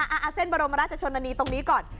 อ่ะอ่ะอ่ะเส้นบรมรัชชนนานีตรงนี้ก่อน